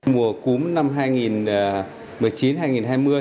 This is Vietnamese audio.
mùa cúm năm hai nghìn một mươi chín hai nghìn hai mươi